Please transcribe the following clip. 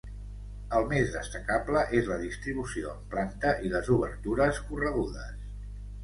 El més destacable és la distribució en planta i les obertures corregudes.